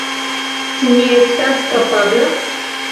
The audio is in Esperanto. Ĉu mi estas kapabla?